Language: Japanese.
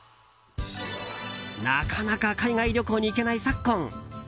なかなか海外旅行に行けない昨今。